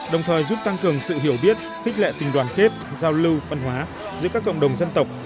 đồng thời giúp tăng cường sự hiểu biết thích lệ tình đoàn kết giao lưu văn hóa giữa các cộng đồng dân tộc